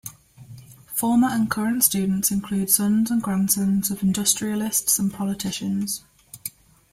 Former and current students include sons and grandsons of industrialists and politicians.